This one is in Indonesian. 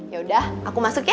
yaudah aku masuk ya